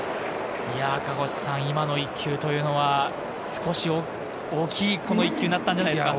今の一球というのは少し大きい一球になったんじゃないですか。